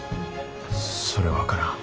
それは分からん。